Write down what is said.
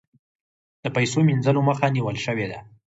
د پیسو مینځلو مخه نیول شوې ده؟